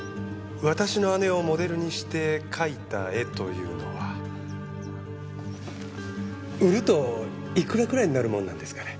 私の姉をモデルにして描いた絵というのは売るといくらくらいになるもんなんですかね？